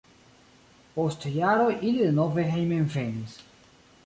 Post jaroj ili denove hejmenvenis.